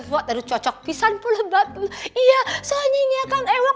buat ada cocok pisan pulang batu iya soalnya ini akan e work